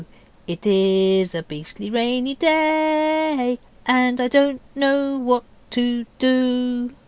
It IS a beastly rainy day And I don't know what to do.